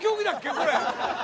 これ。